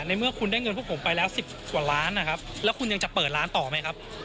เมื่อคุณได้เงินพวกผมไปแล้ว๑๐กว่าล้านนะครับแล้วคุณยังจะเปิดร้านต่อไหมครับ